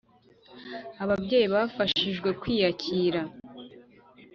Ababyeyi bafashijwe kwiyakira